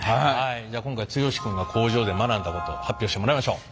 じゃあ今回剛君が工場で学んだこと発表してもらいましょう。